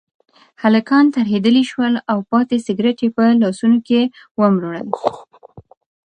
هلکان ترهېدلي شول او پاتې سګرټ یې په لاسونو کې ومروړل.